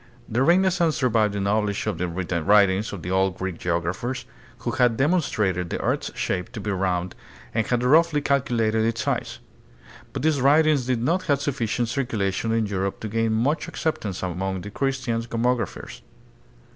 The Renaissance revived the knowledge of the writ ings of the old Greek geographers who had demonstrated the earth's shape to be round and had roughly calculated its size; but these writings did not have sufficient circula tion in Europe to gain much acceptance among the Chris tian cosmographers.